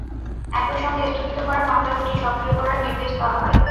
একই সঙ্গে স্থগিত করা মামলা দুটি সক্রিয় করার নির্দেশ দেওয়া হয়।